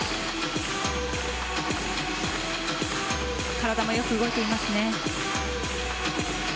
体もよく動いていますね。